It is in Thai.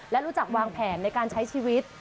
และรู้จักวางแผนในการใช้ชีวิต